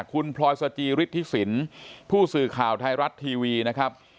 คุณพลอยสจิฤทธิสินผู้สื่อข่าวไทยรัฐทีวีนะครับ